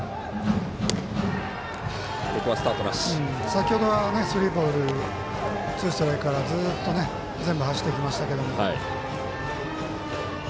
先ほどはスリーボールツーストライクからずっと全部、走ってきましたけど。